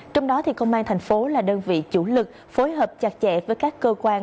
trong đó công an thành phố là đơn vị chủ lực phối hợp chặt chẽ với các cơ quan